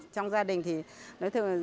trong gia đình thì nói thường